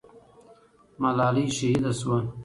ملالۍ شهیده سوه.